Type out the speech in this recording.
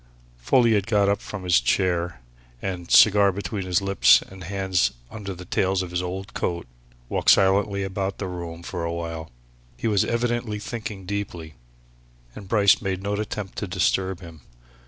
Folliot got up from his chair and, cigar between his lips and hands under the tails of his old coat, walked silently about the quiet room for awhile. He was evidently thinking deeply, and Bryce made no attempt to disturb him.